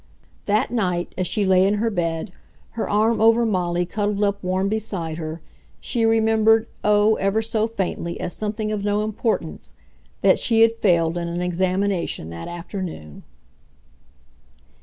That night, as she lay in her bed, her arm over Molly cuddled up warm beside her, she remembered, oh, ever so faintly, as something of no importance, that she had failed in an examination that afternoon.